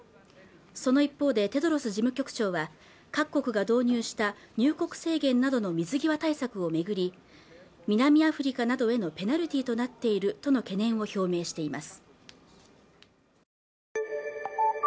その一方でテドロス事務局長は各国が導入した入国制限などの水際対策を巡り南アフリカなどへのペナルティとなっているとの懸念を表明しています